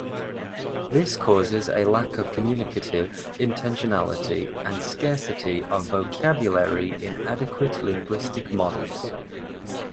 This causes a lack of communicative intentionality and scarcity of vocabulary in adequate linguistic models.